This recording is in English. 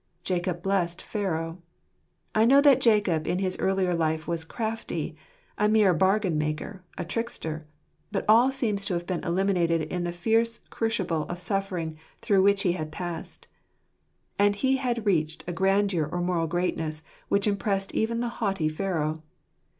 "Jacob blessed Pharaoh." I know that Jacob in his earlier life was crafty, a mere bargain maker, a trickster ; but all seems to have been eliminated in the fierce crucible of suffering through which he had passed; and he had reached a grandeur or moral greatness which impressed even the haughty Pharaoh.